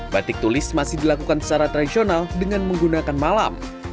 batik tulis masih dilakukan secara tradisional dengan menggunakan malam